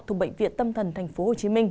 thuộc bệnh viện tâm thần tp hcm